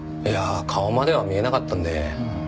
いやあ顔までは見えなかったんで。